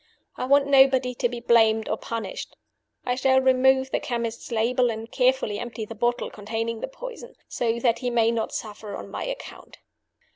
I want nobody to be blamed or punished. I shall remove the chemist's label, and carefully empty the bottle containing the poison, so that he may not suffer on my account.